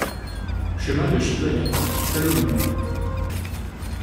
Chemin de Chiconet, Sallaumines